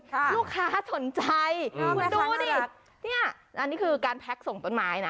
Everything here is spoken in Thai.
ค่ะลูกค้าสนใจอืมดูดิเนี้ยอันนี้คือการส่งต้นไม้นะ